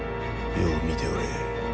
よう見ておれ